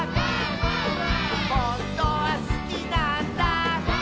「ほんとはすきなんだ」